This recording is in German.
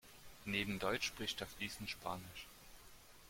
Neben Deutsch spricht er fließend Spanisch.